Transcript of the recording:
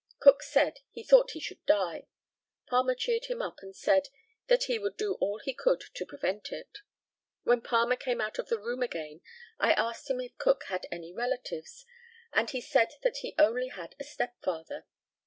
Cook said, he thought he should die. Palmer cheered him up, and said, that he would do all he could to prevent it. When Palmer came out of the room again, I asked him if Cook had any relatives, and he said that he had only a step father.